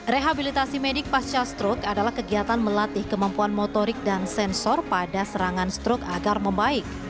rehabilitasi medik pasca stroke adalah kegiatan melatih kemampuan motorik dan sensor pada serangan strok agar membaik